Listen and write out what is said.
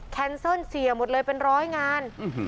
แคนเซิลเสียหมดเลยเป็นร้อยงาน